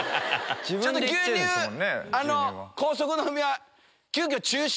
ちょっと牛乳高速飲みは。